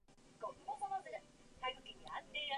原先都是沈積岩